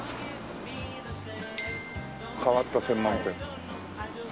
変わった専門店。